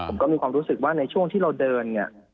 ผมก็มีความรู้สึกว่าในช่วงที่เราเดินเนี่ย